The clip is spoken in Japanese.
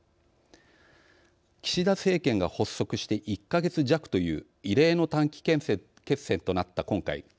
岸田政権が発足して１か月弱という異例の短期決戦となった今回。